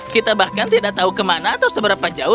kita bahkan tidak tahu ke mana atau seberapa jauhnya